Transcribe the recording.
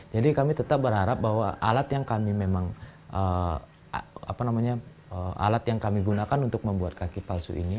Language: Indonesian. jadi kami tetap berharap bahwa alat yang kami gunakan untuk membuat kaki palsu ini